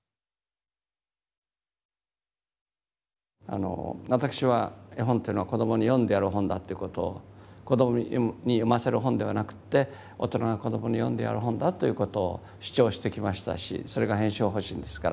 あの私は絵本っていうのは子どもに読んでやる本だっていうことを子どもに読ませる本ではなくって大人が子どもに読んでやる本だということを主張してきましたしそれが編集方針ですから。